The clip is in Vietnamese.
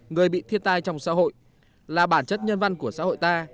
người bị thiên tai trong xã hội là bản chất nhân văn của xã hội ta